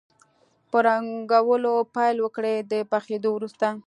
په رنګولو پیل وکړئ د پخېدو وروسته.